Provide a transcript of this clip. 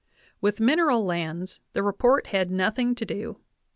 With mineral lands the report had nothing to do.